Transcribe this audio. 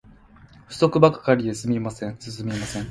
不足ばっかりで進みません